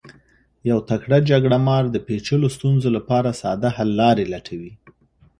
یو تکړه جرګه مار د پیچلو ستونزو لپاره ساده حل لارې لټوي.